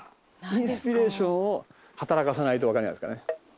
インスピレーションを働かさないとわからないんじゃないですかね。